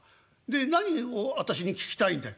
で何を私に聞きたいんだい？」。